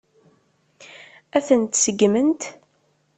Ad tent-seggment?